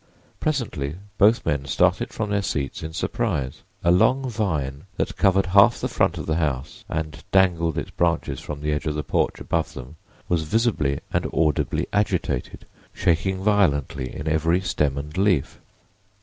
Presently both men started from their seats in surprise: a long vine that covered half the front of the house and dangled its branches from the edge of the porch above them was visibly and audibly agitated, shaking violently in every stem and leaf.